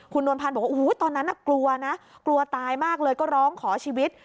คุณนวลพันธ์บอกว่าโอ้โหตอนนั้นกลัวนะกลัวตายมากเลยก็ร้องขอชีวิต